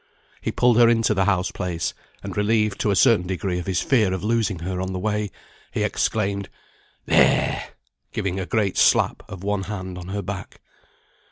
He pulled her into the house place; and relieved to a certain degree of his fear of losing her on the way, he exclaimed, "There!" giving a great slap of one hand on her back.